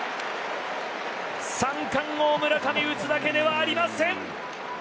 三冠王村上打つだけではありません。